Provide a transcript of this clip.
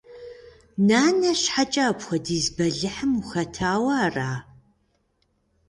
Нанэ щхьэкӀэ апхуэдиз бэлыхьым ухэтауэ ара?